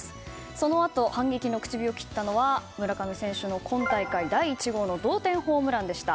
そのあと反撃の口火を切ったのは村上選手の今大会第１号の同点ホームランでした。